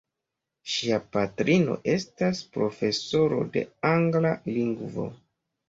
Ŝia patrino estas profesoro de angla lingvo.